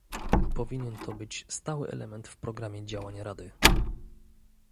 Powinien to być stały element w programie działań Rady